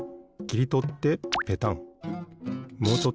きりとってペタン。